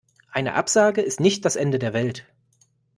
Eine Absage ist nicht das Ende der Welt.